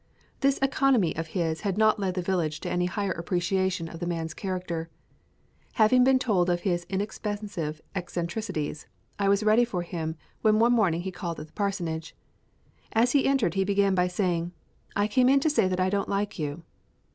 This economy of his had not led the village to any higher appreciation of the man's character. Having been told of his inexpensive eccentricities, I was ready for him when one morning he called at the parsonage. As he entered he began by saying: "I came in to say that I don't like you."